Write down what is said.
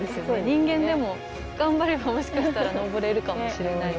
人間でも頑張ればもしかしたら登れるかもしれない。